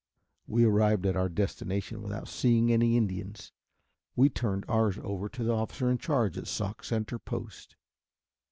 We arrived at our destination without seeing any Indians. We turned ours over to the officer in charge of Sauk Center post.